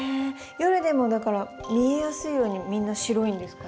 夜でもだから見えやすいようにみんな白いんですか？